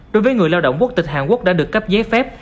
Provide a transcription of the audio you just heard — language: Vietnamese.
đối với người lao động quốc tịch hàn quốc đã được cấp giấy phép